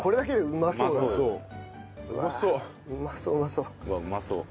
うまそう！